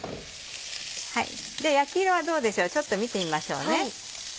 焼き色はどうでしょうちょっと見てみましょうね。